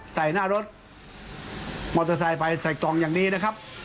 ใส่หน้ารถมอเตอร์ไซค์ไปใส่กล่องอย่างนี้นะครับ